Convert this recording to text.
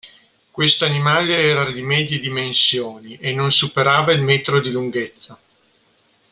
Questo animale era di medie dimensioni, e non superava il metro di lunghezza.